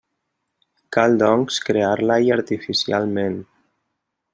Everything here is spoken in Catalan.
Cal, doncs, crear-la-hi artificialment.